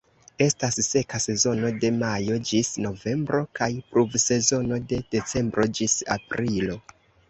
Estas seka sezono de majo ĝis novembro kaj pluvsezono de decembro ĝis aprilo.